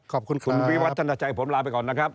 ขอบคุณคุณวิวัฒนาชัยผมลาไปก่อนนะครับ